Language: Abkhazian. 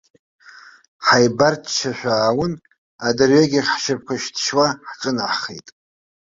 Ҳааибарччашәа ааун, адырҩегьых ҳшьапқәа шьҭшьуа ҳҿынаҳхеит.